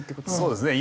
そうですね。